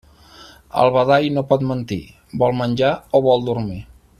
El badall no pot mentir: vol menjar o vol dormir.